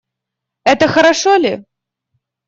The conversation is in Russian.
Это хорошо ли?